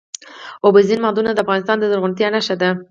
اوبزین معدنونه د افغانستان د زرغونتیا نښه ده.